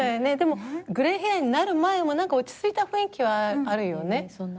でもグレーヘアになる前も落ち着いた雰囲気はあるよね。